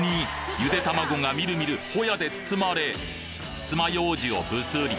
ゆで卵がみるみるホヤで包まれつまようじをブスリ。